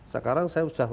sekarang saya sudah